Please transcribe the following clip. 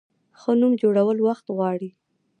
ښه نوم جوړول وخت غواړي.